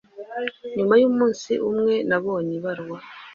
Nyuma y'umunsi umwe nabonye ibaruwa